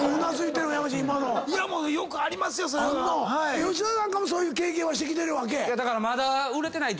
吉田なんかもそういう経験はしてきてるわけ？